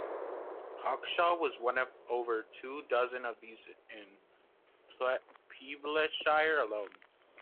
Hawkshaw was one of over two dozen of these in Peeblesshire alone.